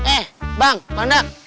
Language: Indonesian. eh bang mandang